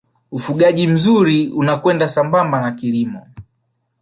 ufugaji mzuri unakwenda sambamba na kilimo